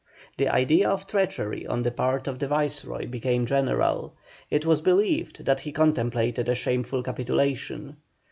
The idea of treachery on the part of the Viceroy became general; it was believed that he contemplated a shameful capitulation.